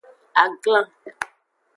Aglan.